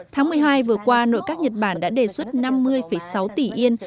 tháng một mươi hai vừa qua nội các nhật bản đã đề xuất năm mươi sáu tỷ yên